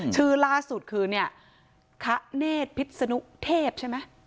ชื่อล่าสุดคือขะเนธพิษนุเทพใช่ไหม